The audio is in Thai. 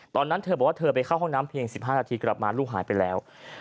ตอนนั้นเธอบอกว่าเธอไปเข้าห้องน้ำเพียง๑๕นาทีกลับมาลูกหายไปแล้ว